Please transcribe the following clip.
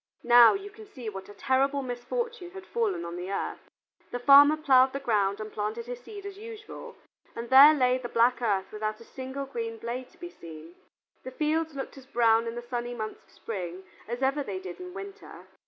Now you can see what a terrible misfortune had fallen on the earth. The farmer plowed the ground and planted his seed, as usual, and there lay the black earth without a single green blade to be seen. The fields looked as brown in the sunny months of spring as ever they did in winter.